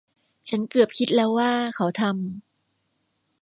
ฉันเกือบคิดแล้วว่าเขาทำ